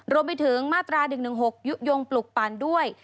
รวมไปถึงมาตรา๑๑๖ยุโยงปลุกปั่นด้วย